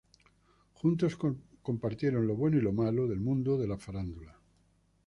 Juntos compartieron lo bueno y lo malo del mundo de la farándula.